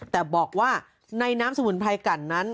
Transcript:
แต่บอกว่าในน้ำสมุนไพรกันนั้น